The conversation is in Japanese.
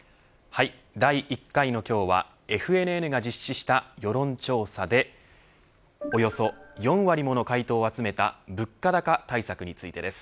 第１回の今日はＦＮＮが実施した世論調査でおよそ４割もの回答を集めた物価高対策についてです。